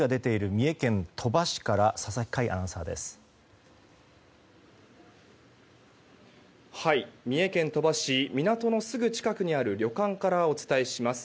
三重県鳥羽市港のすぐ近くにある旅館からお伝えします。